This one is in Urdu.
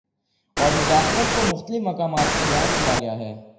اور مداخلت کو مختلف مقامات پر بیان کیا گیا ہے